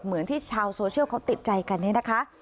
เหมือนที่ชาวโซเชียลเขาติดใจกันเนี่ยนะคะ